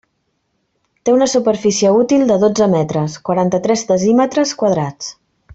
Té una superfície útil de dotze metres, quaranta-tres decímetres quadrats.